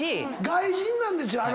外人なんですよ